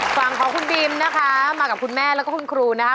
ฝั่งของคุณบีมนะคะมากับคุณแม่แล้วก็คุณครูนะคะ